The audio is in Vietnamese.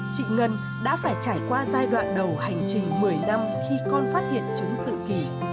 chị ngân đã phải trải qua giai đoạn đầu hành trình một mươi năm khi con phát hiện chứng tự kỷ